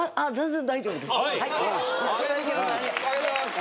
ありがとうございます！